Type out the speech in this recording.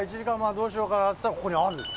どうしようかなっつったらここにあるんです。